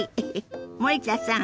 森田さん